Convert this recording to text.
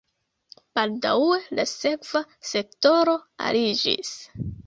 Baldaŭe la serva sektoro aliĝis.